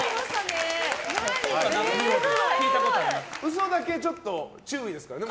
嘘だけちょっと注意ですからね。